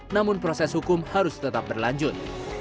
namun proses hukum harus tetap berlanjut